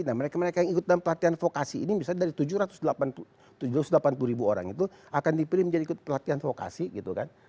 nah mereka mereka yang ikut dalam pelatihan vokasi ini misalnya dari tujuh ratus delapan puluh ribu orang itu akan dipilih menjadi ikut pelatihan vokasi gitu kan